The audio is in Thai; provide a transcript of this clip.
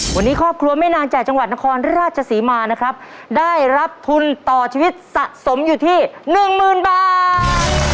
วันนี้ครอบครัวแม่นางจากจังหวัดนครราชศรีมานะครับได้รับทุนต่อชีวิตสะสมอยู่ที่หนึ่งหมื่นบาท